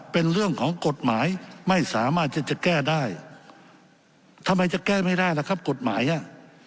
เป็นเรื่องของกฎหมายไม่สามารถที่จะแก้ได้ทำไมจะแก้ไม่ได้ล่ะครับกฎหมายอ่ะ